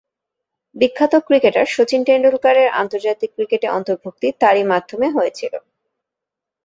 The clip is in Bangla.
বিখ্যাত ক্রিকেটার শচীন তেন্ডুলকরের আন্তর্জাতিক ক্রিকেটে অন্তর্ভূক্তি তারই মাধ্যমে হয়েছিল।